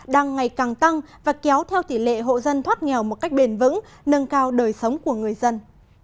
đang ngày càng tăng và kéo theo tỷ lệ hộ dân thoát nghèo một cách bền vững nâng cao đời sống của người dân